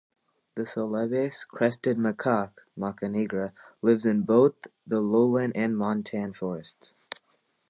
The Celebes crested macaque ("Macaca nigra") lives in both the lowland and montane forests.